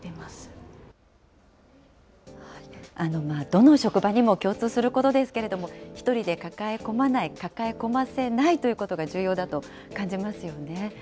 どの職場にも共通することですけれども、一人で抱え込まない、抱え込ませないということが重要だと感じますよね。